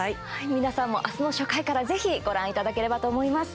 皆さんも明日の初回からぜひご覧いただければと思います。